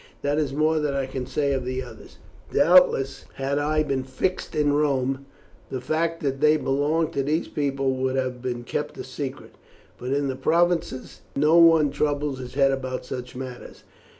That is more than I can say of the others. Doubtless, had I been fixed in Rome, the fact that they belonged to these people would have been kept a secret, but in the provinces no one troubles his head about such matters.